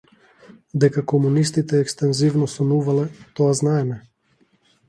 Дека комунистите екстензивно сонувале - тоа знаеме.